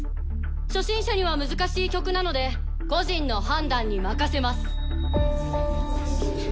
初心者には難しい曲なので個人の判断に任せます。